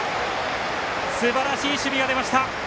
すばらしい守備が出ました